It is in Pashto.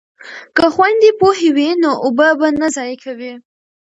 که خویندې پوهې وي نو اوبه به نه ضایع کوي.